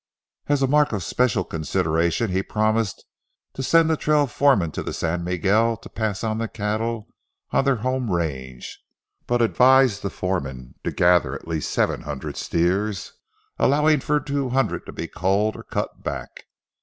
As a mark of special consideration he promised to send the trail foreman to the San Miguel to pass on the cattle on their home range, but advised the foreman to gather at least seven hundred steers, allowing for two hundred to be culled or cut back.